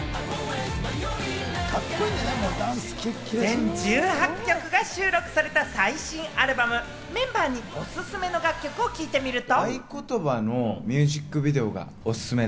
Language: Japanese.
全１８曲が収録された最新アルバム、メンバーにおすすめの楽曲を聞いてみると。